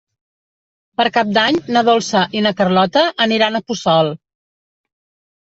Per Cap d'Any na Dolça i na Carlota aniran a Puçol.